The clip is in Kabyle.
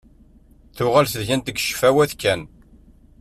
Tuɣal tedyant deg ccfawat kan.